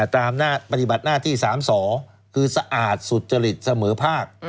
ตามหน้าปฏิบัติหน้าที่๓สอคือสะอาดสุจริตเสมอภาค